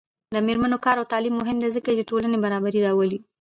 د میرمنو کار او تعلیم مهم دی ځکه چې ټولنې برابري راولي.